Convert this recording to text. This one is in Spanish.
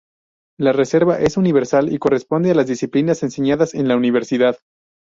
La reserva es universal y corresponde a las disciplinas enseñadas en la Universidad.